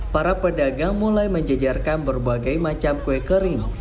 para pedagang mulai menjejarkan berbagai macam kue kering